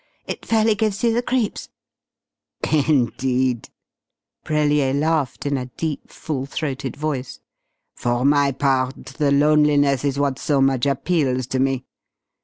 It fairly gives you the creeps!" "Indeed?" Brellier laughed in a deep, full throated voice. "For my part the loneliness is what so much appeals to me.